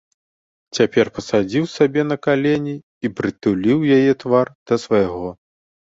Цяпер пасадзіў сабе на калені і прытуліў яе твар да свайго.